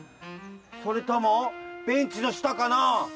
それともベンチのしたかな？